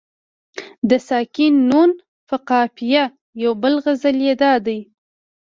د ساکن نون په قافیه یو بل غزل یې دادی.